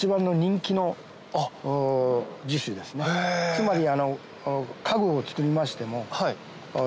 つまり。